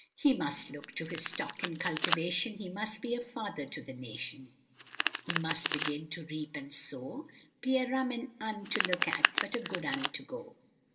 He must look to his stock and cultivation, He must be a father to the nation; He must begin to reap and sow, Be a rum'un to look at, but a good'un to go.